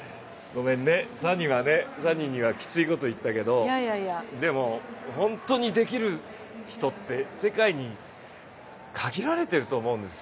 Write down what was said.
ごめんね、サニにはきついこと言ったけどでも、本当にできる人って世界に限られてると思うんです。